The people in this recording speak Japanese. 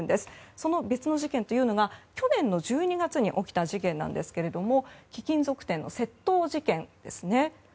その別の事件というのが去年の１２月に起きた事件ですが貴金属店の窃盗事件ですね。